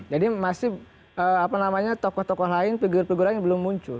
jadi masih tokoh tokoh lain figur figur lain belum muncul